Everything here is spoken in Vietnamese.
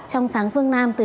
trong sáng phương nam